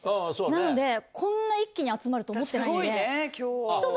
なので、こんな一気に集まると思ってないんで。